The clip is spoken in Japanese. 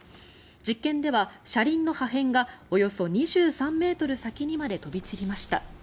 実験では車輪の破片がおよそ２３ｍ先にまで飛び散りました。